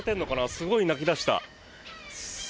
すごい鳴き出した。